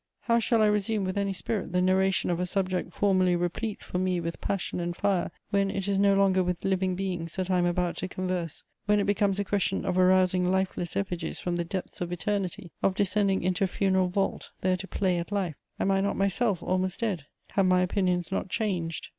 How shall I resume with any spirit the narration of a subject formerly replete for me with passion and fire, when it is no longer with living beings that I am about to converse, when it becomes a question of arousing lifeless effigies from the depths of Eternity, of descending into a funeral vault there to play at life? Am I not myself almost dead? Have my opinions not changed?